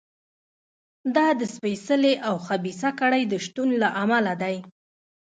دا د سپېڅلې او خبیثه کړۍ د شتون له امله دی.